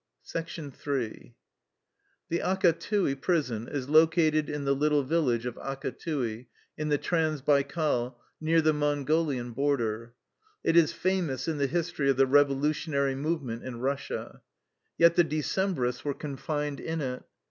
Ill The Akatui prison is located in the little vil lage of Akatui, in the Trans Baikal, near the Mongolian border. It is famous in the history of the revolutionary movement in Russia. Yet the Decembrists ^ were confined in it.